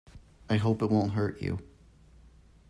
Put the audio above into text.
I hope it won't hurt you.